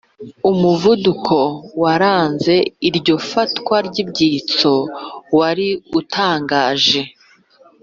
umuvuduko waranze iryo fatwa ry'ibyitso wari utangaje.